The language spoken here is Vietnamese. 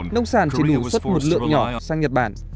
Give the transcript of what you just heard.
nông sản chỉ đủ xuất một lượng nhỏ sang nhật bản